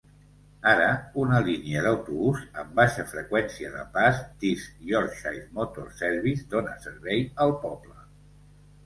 Ara una línia d'autobús amb baixa freqüència de pas d'East Yorkshire Motor Services dona servei al poble.